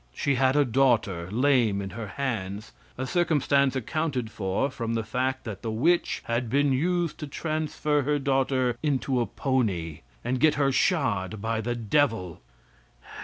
She had a daughter, lame in her hands, a circumstance accounted for from the fact that the witch had been used to transfer her daughter into a pony and get her shod by the devil!